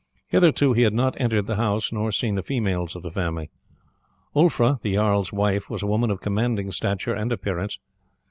Hitherto he had not entered the house nor seen the females of the family. Ulfra, the jarl's wife, was a woman of commanding stature and appearance.